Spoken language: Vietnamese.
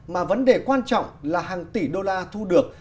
mà vấn đề quan trọng là hàng tỷ đô la thu được